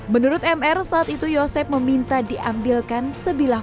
menurut mr saat itu yosef meminta diberi pengakuan dan diberi pengakuan dan diberi pengakuan